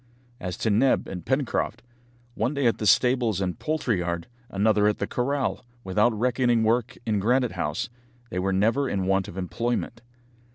As to Neb and Pencroft, one day at the stables and poultry yard, another at the corral, without reckoning work in Granite House, they were never in want of employment.